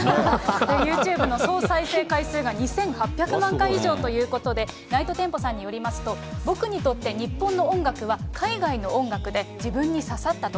ユーチューブの総再生回数が２８００万回以上ということで、ナイトテンポさんによりますと、僕にとって日本の音楽は海外の音楽で、自分に刺さったと。